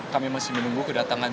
kami masih menunggu kedatangan